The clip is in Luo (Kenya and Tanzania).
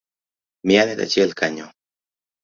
Miya net achiel kanyo